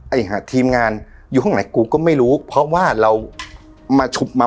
ทีมงานอยู่ห้องไหนกูก็ไม่รู้เพราะว่าเรามาฉุบมา